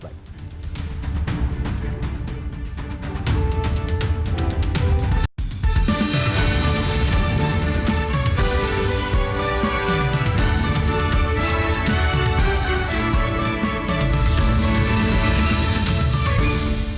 terima kasih pak bahlil